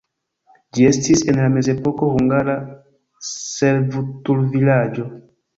Ĝi estis en la mezepoko hungara servutulvilaĝo.